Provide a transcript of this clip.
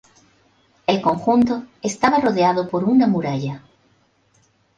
El conjunto estaba rodeado por una muralla.